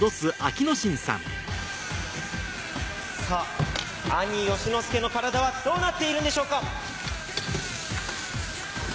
さぁ兄・佳之介の体はどうなっているんでしょうか？